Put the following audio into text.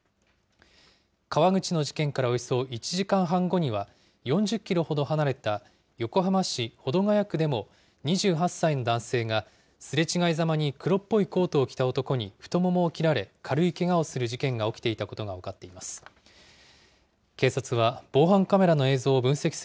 川口の事件からおよそ１時間半後には、４０キロほど離れた横浜市保土ケ谷区でも２８歳の男性が、すれ違いざまに、黒っぽいコートを着た男に太ももを切られ、軽いけがをする事件が起きていたことが分かっています。